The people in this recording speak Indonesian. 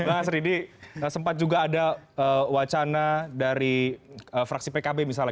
mas ridi sempat juga ada wacana dari fraksi pkb misalnya